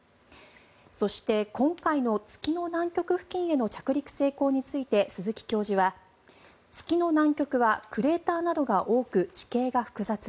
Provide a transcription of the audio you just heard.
そして、今回の月の南極付近への着陸成功について鈴木教授は、月の南極はクレーターなどが多く地形が複雑。